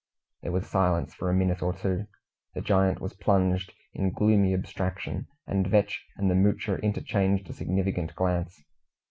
There was silence for a minute or two. The giant was plunged in gloomy abstraction, and Vetch and the Moocher interchanged a significant glance.